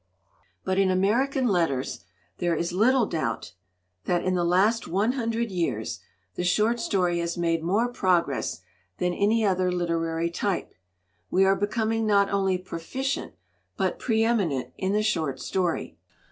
"But in American letters there is little doubt that in the last one hundred years the short story has made more progress than any other literary type. We are becoming not only proficient, but pre eminent in the short story.